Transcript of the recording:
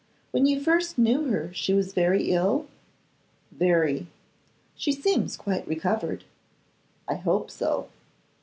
'When you first knew her she was very ill?' 'Very.' 'She seems quite recovered.' 'I hope so.